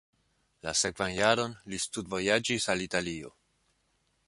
La sekvan jaron li studvojaĝis al Italio.